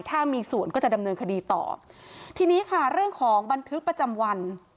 ถ้ามีส่วนก็จะดำเนินคดีต่อทีนี้ค่ะเรื่องของบันทึกประจำวัน